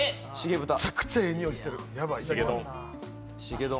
めちゃくちゃええ匂いしてる、ヤバい。